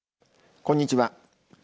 こんにちは。